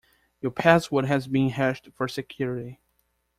Your password has been hashed for security.